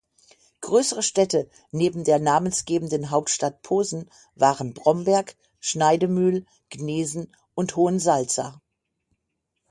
Größere Städte neben der namensgebenden Hauptstadt Posen waren Bromberg, Schneidemühl, Gnesen und Hohensalza.